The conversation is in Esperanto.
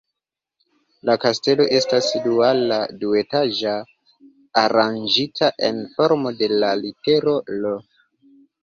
La kastelo estas duala, duetaĝa, aranĝita en formo de la litero "L".